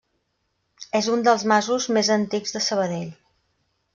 És un dels masos més antics de Sabadell.